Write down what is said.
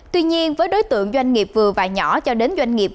tuy nhiên với đối tượng doanh nghiệp vừa và nhỏ cho đến doanh nghiệp